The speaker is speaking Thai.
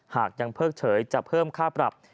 หากยังเพิกเฉยจะเพิ่มค่าปรับ